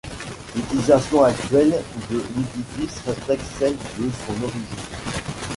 L'utilisation actuelle de l'édifice respecte celle de son origine.